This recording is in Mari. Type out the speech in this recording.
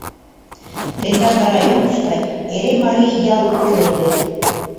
Тендан районышто эре марий ял улыт вет.